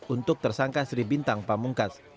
untuk tersangka sri bintang pamungkas